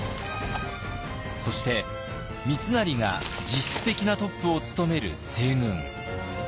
そして三成が実質的なトップを務める西軍。